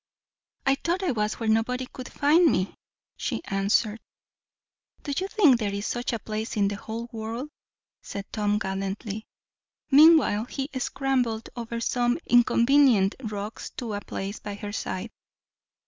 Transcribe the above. "I thought I was where nobody could find me," she answered. "Do you think there is such a place in the whole world?" said Tom gallantly. Meanwhile he scrambled over some inconvenient rocks to a place by her side.